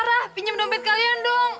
arah pinjam dompet kalian dong